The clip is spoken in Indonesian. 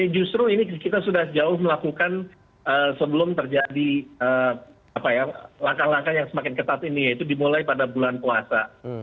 justru ini kita sudah jauh melakukan sebelum terjadi langkah langkah yang semakin ketat ini yaitu dimulai pada bulan puasa